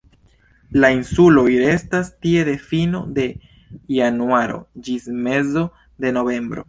La suloj restas tie de fino de januaro ĝis mezo de novembro.